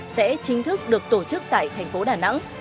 sẽ chính thức được tổ chức tại thành phố đà nẵng